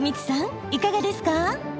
いかがですか？